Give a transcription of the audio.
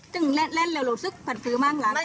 จึงเล่นเล่นแล้วหรือซึกผ่านฟื้อบ้างหลังกาย